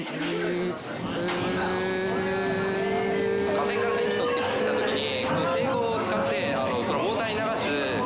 架線から電気取ってきたときに。